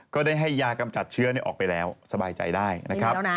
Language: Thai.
ก็ได้ให้ยากำจัดเชื้อออกไปแล้วสบายใจได้นะครับ